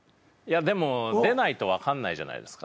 でも出ないと分かんないじゃないですか。